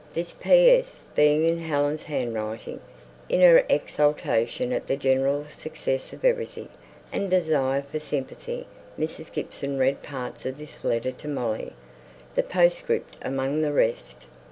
This P.S. being in Helen's handwriting. In her exultation at the general success of everything, and desire for sympathy, Mrs. Gibson read parts of this letter to Molly; the postscript among the rest.